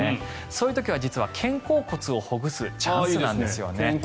そういう時は実は肩甲骨をほぐすチャンスなんですよね。